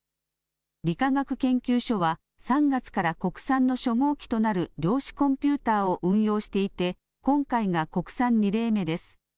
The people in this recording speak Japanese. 理化学研究所は３月から国産の初号機となる量子コンピューターを運用していて今回が国産２例目です。